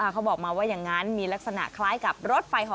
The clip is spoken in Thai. เขาบอกมาว่าอย่างนั้นมีลักษณะคล้ายกับรถไฟห่อ